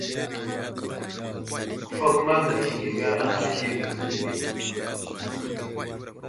Kəfakuma mərez keme a ghay aslane wele.